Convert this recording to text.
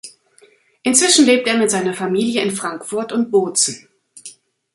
Inzwischen lebt er mit seiner Familie in Frankfurt und Bozen.